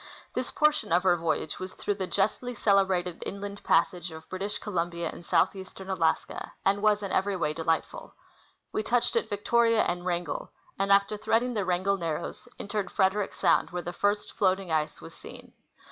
This portion of our voyage was through the justly celebrated inland passage " of British Columbia and southeastern Alaska, and was in every way delighttul. We touched at Victoria and Wrangell, and, after threading the Wrangell narrows, entered Frederick sound, where the first floating ice was seen.